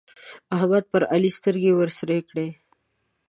احمد پر علي سترګې ورسرې کړې.